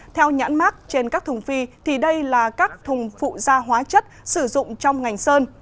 theo nhãn mát trên các thùng phi thì đây là các thùng phụ da hóa chất sử dụng trong ngành sơn